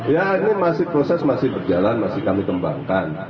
ya ini masih proses masih berjalan masih kami kembangkan